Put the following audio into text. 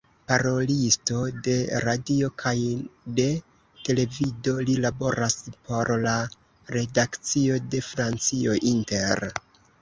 Parolisto de radio kaj de televido, li laboras por la redakcio de Francio Inter.